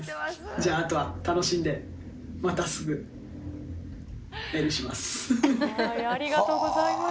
じゃあ、あとは楽しんで、またすぐメールします。